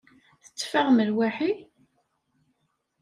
Tetteffaɣem lwaḥi?